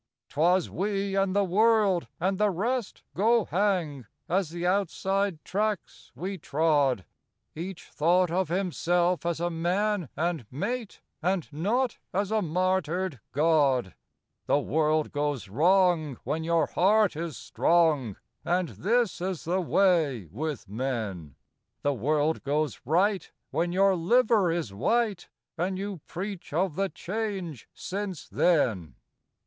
'Twas We and the World and the rest go hang as the Outside tracks we trod; Each thought of himself as a man and mate, and not as a martyred god; The world goes wrong when your heart is strong and this is the way with men The world goes right when your liver is white, and you preach of the change 'since then.